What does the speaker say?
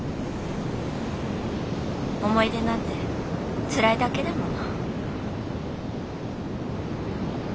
思い出なんてつらいだけだもの。